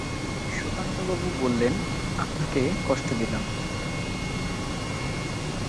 সুধাকান্তবাবু বললেন, আপনাকে কষ্ট দিলাম।